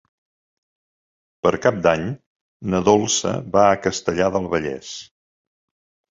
Per Cap d'Any na Dolça va a Castellar del Vallès.